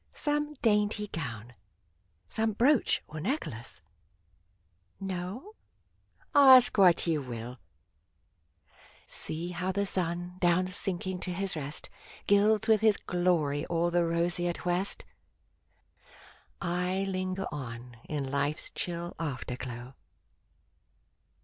Some dainty gown ? Some brooch or necklace ? No? Ask what you will ! i6 "ASK WHAT YOU WILL See how the sun, down sinking to his rest, Gilds with his glory all the roseate west ! I linger on, in life's chill afterglow.